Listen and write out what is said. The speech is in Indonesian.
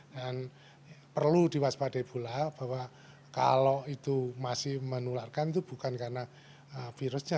dan perlu diwaspadai pula bahwa kalau itu masih menularkan itu bukan karena virusnya